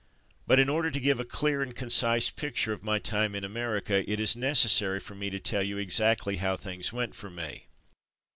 But, in order to give a clear and concise picture of my time in America, it is necessary for me to tell you exactly how things went with me.